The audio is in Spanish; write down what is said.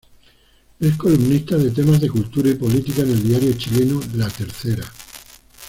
Es columnista de temas de cultura y política en el diario chileno "La Tercera".